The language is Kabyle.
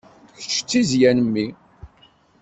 Kečč d tizzya n mmi.